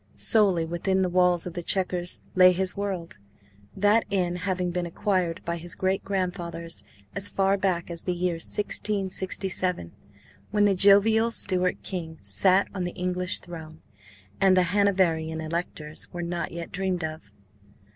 Solely within the walls of the Chequers lay his world, that inn having been acquired by his great grandfather as far back as the year 1667, when the jovial Stuart King sat on the English throne, and the Hanoverian Electors were not yet dreamed of.